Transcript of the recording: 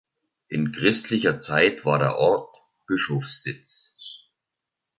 In christlicher Zeit war der Ort Bischofssitz.